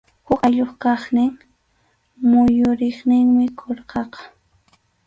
Huk ayllup kaqnin muyuriqninmi qurqaqa.